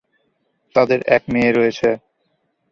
তাদের এক মেয়ে রয়েছে।